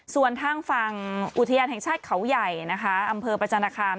ส่วนทางฝั่งอุทยานแห่งชาติเขาใหญ่นะคะอำเภอประจันทคาม